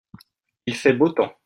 Il fait beau temps.